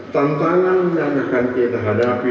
tantangan yang akan kita hadapi